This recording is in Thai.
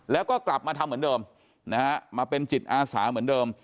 แล้วก็กลับมาทำเหมือนเดิมนะฮะมาเป็นจิตอาสาเหมือนเดิม